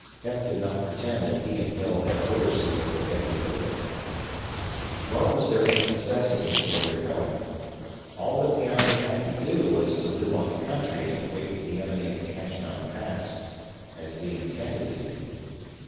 Heth did not pretend that he and Hill had orders to go to Gettysburg, nor was there any necessity for their going. All that the army had to do was to live on the country and wait for the enemy at Cashtown Pass as Lee intended to do.